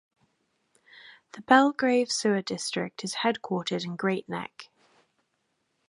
The Belgrave Sewer District is headquartered in Great Neck.